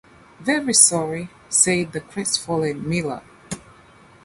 ‘Very sorry,’ said the crestfallen Miller.